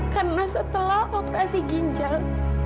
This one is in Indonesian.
karena setelah operasi ginjal